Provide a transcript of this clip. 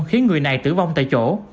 khiến người này tử vong tại chỗ